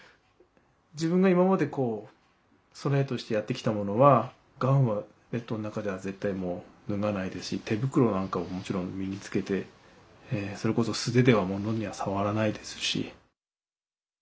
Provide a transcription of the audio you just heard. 自分が今まで備えとしてやってきたものはガウンはレッドの中では絶対もう脱がないですし手袋なんかももちろん身につけてそれこそ素手ではものには触らないですし。